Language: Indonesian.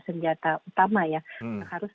senjata utama ya harus